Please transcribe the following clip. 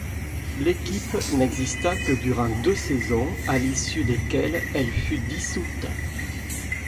L'équipe n'exista que durant deux saisons à l'issue desquelles elle fut dissoute.